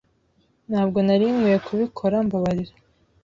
Ntabwo nari nkwiye kubikora Mbabarira